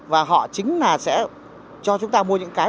và họ chính là sẽ cho chúng ta mua những cái